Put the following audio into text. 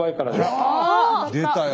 出たよ。